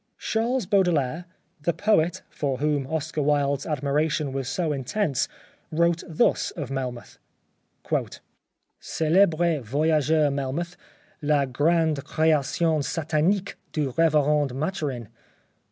Charles Baudelaire, the poet, for whom Oscar Wilde's admiration was so intense, wrote thus of Melmoth :—" Celebre voyageur Melmoth, la grande crea tion satanique du reverend Maturin.